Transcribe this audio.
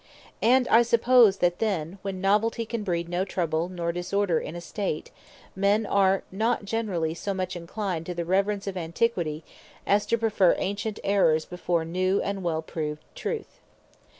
And I suppose, that then, when Novelty can breed no trouble, nor disorder in a State, men are not generally so much inclined to the reverence of Antiquity, as to preferre Ancient Errors, before New and well proved Truth.